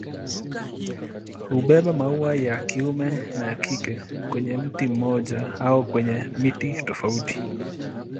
Hubeba maua ya kiume na ya kike kwenye mti mmoja au kwenye miti tofauti.